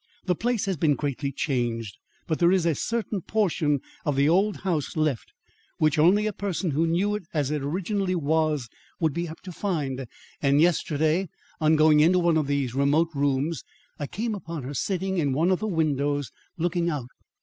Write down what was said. "The place has been greatly changed, but there is a certain portion of the old house left which only a person who knew it as it originally was would be apt to find; and yesterday, on going into one of these remote rooms I came upon her sitting in one of the windows looking out.